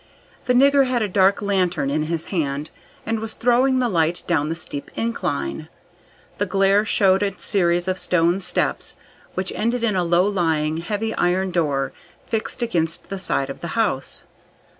The nigger had a dark lantern in his hand, and was throwing the light down the steep incline. The glare showed a series of stone steps, which ended in a low lying heavy iron door fixed against the side of the house.